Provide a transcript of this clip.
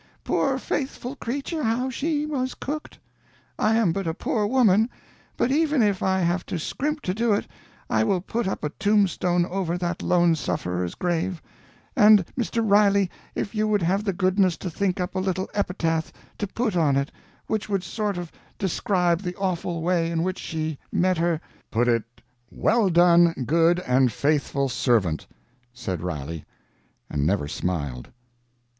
Poor faithful creature, how she was cooked! I am but a poor woman, but even if I have to scrimp to do it, I will put up a tombstone over that lone sufferer's grave and Mr. Riley if you would have the goodness to think up a little epitaph to put on it which would sort of describe the awful way in which she met her " "Put it, 'Well done, good and faithful servant,'" said Riley, and never smiled.